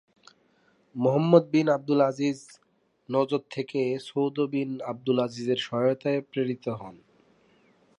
মুহাম্মদ বিন আবদুল আজিজ নজদ থেকে সৌদ বিন আবদুল আজিজের সহায়তায় প্রেরিত হন।